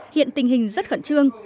hiện tình hình rất khẩn trương